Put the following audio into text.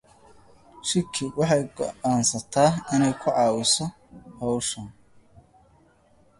Shiki then decides to help her with this task.